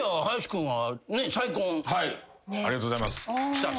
ありがとうございます。